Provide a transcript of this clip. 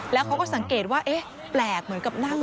แล้วเขาก็สังเกตว่าเอ๊ะแปลกเหมือนกับนั่ง